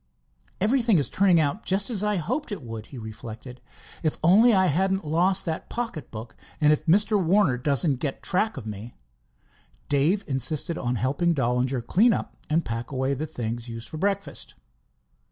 "Everything is turning out just as I hoped it would," he reflected. "If only I hadn't lost that pocket book, and if Mr. Warner doesn't get track of me." Dave insisted on helping Dollinger clean up and pack away the things used for breakfast.